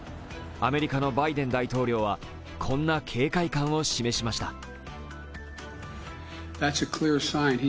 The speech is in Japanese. アメリカのバイデン大統領はこんな警戒感を示しました。